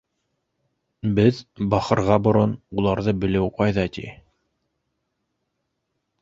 Беҙ бахырға борон уларҙы белеү ҡайҙа ти?